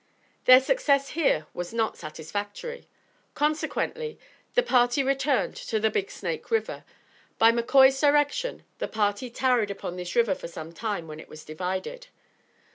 Their success here was not satisfactory; consequently, the party returned to the Big Snake River. By McCoy's direction the party tarried upon this river for some time when it was divided.